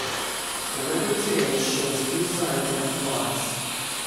The river today shows few signs of the floods.